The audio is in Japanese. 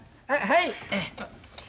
はい。